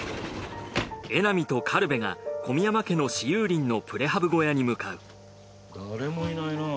江波と軽部が小宮山家の私有林のプレハブ小屋に向かう誰もいないなぁ。